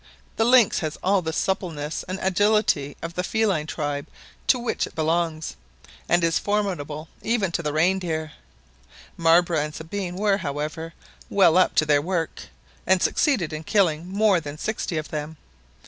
The lynx has all the suppleness and agility of the feline tribe to which it belongs, and is formidable even to the rein deer; Marbre and Sabine were, however, well up to their work, and succeeded in killing more than sixty of them.